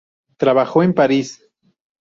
Trabajó en París.